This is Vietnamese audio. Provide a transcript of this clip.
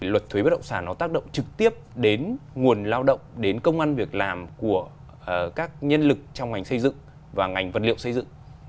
luật thuế bất động sản nó tác động trực tiếp đến nguồn lao động đến công an việc làm của các nhân lực trong ngành xây dựng và ngành vật liệu xây dựng